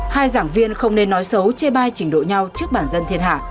hai giảng viên không nên nói xấu chê bai trình độ nhau trước bản dân thiên hạ